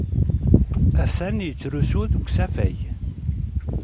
Atan yettrusu-d usafag.